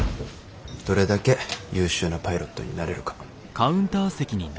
どれだけ優秀なパイロットになれるか。